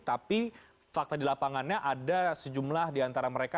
tapi fakta di lapangannya ada sejumlah di antara mereka